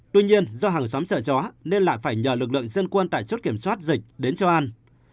tuy nhiên do hàng xóm sợ gió nên lại phải nhờ lực lượng dân quân tại chốt kiểm soát dịch đến châu an